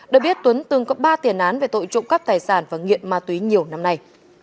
được biết tuấn từng có ba tiền án về tội trộm cắp tài sản và nghiện ma túy nhiều năm nay